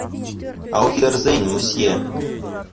Ауфидерзейн, мусье.